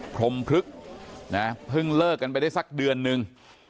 พรมพลึกนะเพิ่งเลิกกันไปได้สักเดือนนึง